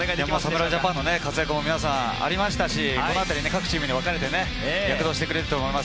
侍ジャパンの活躍もありましたし、この後、各チームに分かれて躍動してくれると思います。